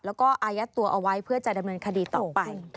แล้วก็อายัดตัวเอาไว้เพื่อจะดำเนินคดีต่อไป